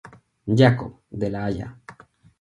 Jakob, de La Haya.